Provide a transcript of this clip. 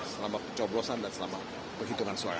selama pecoblosan dan selama perhitungan suara